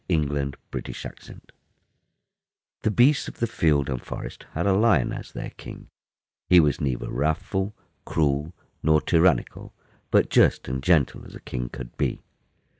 The Kingdom of the Lion THE BEASTS of the field and forest had a Lion as their king. He was neither wrathful, cruel, nor tyrannical, but just and gentle as a king could be.